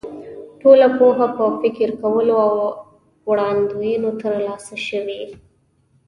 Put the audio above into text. ټوله پوهه په فکر کولو او وړاندوینو تر لاسه شوې.